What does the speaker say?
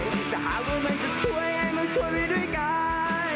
แต่หากว่ามันจะโฟย์จิงแววมันจะโฟย์ให้มันสวยไปด้วยกัน